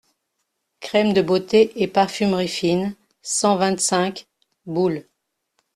Crème de beauté et parfumerie fine cent vingt-cinq, boul.